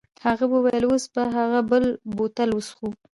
هغه وویل اوس به هغه بل بوتل وڅښو.